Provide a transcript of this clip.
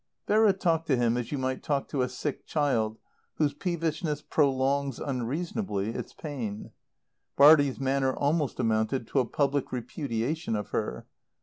Vera talked to him as you might talk to a sick child whose peevishness prolongs, unreasonably, its pain. Bartie's manner almost amounted to a public repudiation of her.